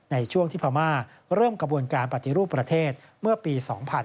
ในช่วงที่พม่าเริ่มกระบวนการปฏิรูปประเทศเมื่อปี๒๕๕๙